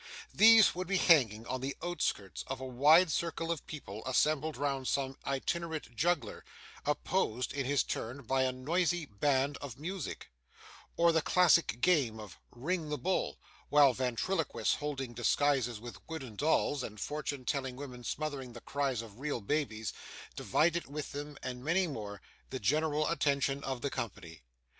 These would be hanging on the outskirts of a wide circle of people assembled round some itinerant juggler, opposed, in his turn, by a noisy band of music, or the classic game of 'Ring the Bull,' while ventriloquists holding dialogues with wooden dolls, and fortune telling women smothering the cries of real babies, divided with them, and many more, the general attention of the company.